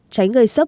tránh gây sốc